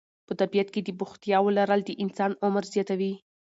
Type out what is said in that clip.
په طبیعت کې د بوختیاوو لرل د انسان عمر زیاتوي.